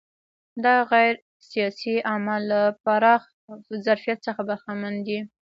دا غیر سیاسي اعمال له پراخ ظرفیت څخه برخمن دي.